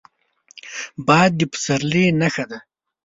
باد د پسرلي نښه وي